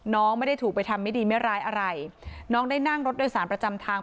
น้องไม่ได้ถูกไปทำไม่ดีไม่ร้ายอะไรน้องได้นั่งรถโดยสารประจำทาง